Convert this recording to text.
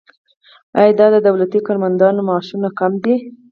آیا د دولتي کارمندانو معاشونه کم دي؟